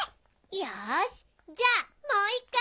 よしじゃあもう一回。